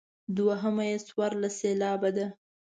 دوهمه یې څوارلس سېلابه ده.